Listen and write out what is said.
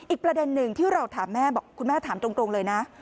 อีกประเด็นหนึ่งที่เราถามแม่บอกคุณแม่ถามตรงเลยนะ